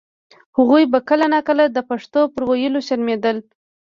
هغوی به کله نا کله د پښتو پر ویلو شرمېدل.